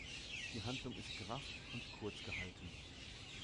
Die Handlung ist gerafft und kurz gehalten.